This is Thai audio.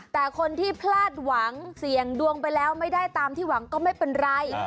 แต่คนที่พลาดหวังเสี่ยงดวงไปแล้วไม่ได้ตามที่หวังก็ไม่เป็นไร